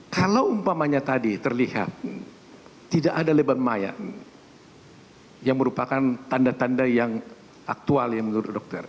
kalau umpamanya tadi terlihat tidak ada leban mayat yang merupakan tanda tanda yang aktual ya menurut dokter